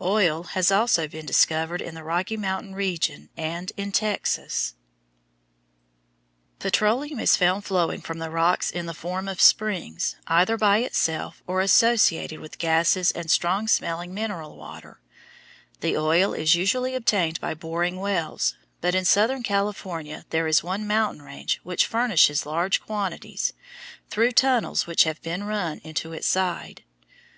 Oil has also been discovered in the Rocky Mountain region and in Texas. [Illustration: FIG. 109. A SPRING OF WATER AND PETROLEUM The black streak is petroleum] Petroleum is found flowing from the rocks in the form of springs, either by itself or associated with gases and strong smelling mineral water. The oil is usually obtained by boring wells, but in southern California there is one mountain range which furnishes large quantities through tunnels which have been run into its side.